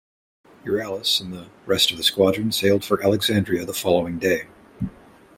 "Euryalus" and the rest of the squadron sailed for Alexandria the following day.